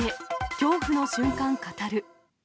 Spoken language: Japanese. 恐怖の瞬間語る。